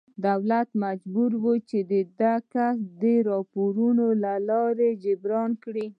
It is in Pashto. دولت مجبور و چې دا کسر د پورونو له لارې جبران کړي.